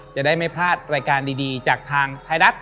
จะได้ไม่พลาดรายการดีจากทางไทยรัฐ